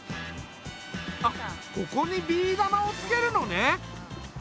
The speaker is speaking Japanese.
あっここにビー玉をつけるのね。